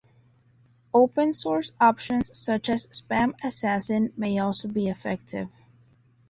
Open source options such as SpamAssassin may also be effective.